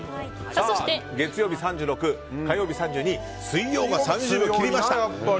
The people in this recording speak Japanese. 月曜日は３６火曜日３２水曜が３０秒切りました。